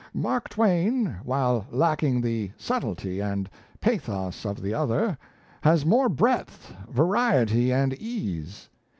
Mark Twain, while lacking the subtilty and pathos of the other, has more breadth, variety, and ease.